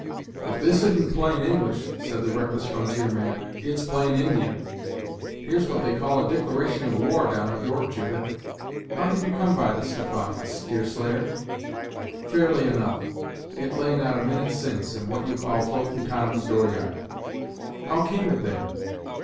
"If this isn't plain English," said the reckless frontier man, "it's plain Indian! Here's what they call a dicliration of war, down at York, Judith. How did you come by this defiance, Deerslayer?" "Fairly enough. It lay not a minut' since, in what you call Floatin' Tom's door yard." "How came it there?"